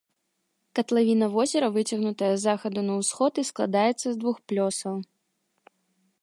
Катлавіна возера выцягнутая з захаду на ўсход і складаецца з двух плёсаў.